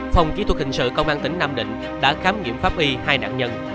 phòng kỹ thuật hình sự công an tỉnh nam định đã khám nghiệm pháp y hai nạn nhân